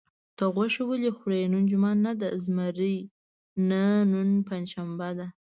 ته غوښې ولې خورې؟ نن جمعه نه ده؟ زمري: نه، نن پنجشنبه ده.